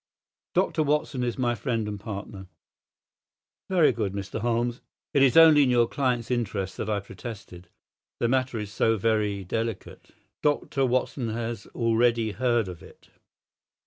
"Dr. Watson is my friend and partner." "Very good, Mr. Holmes. It is only in your client's interests that I protested. The matter is so very delicate——" "Dr. Watson has already heard of it."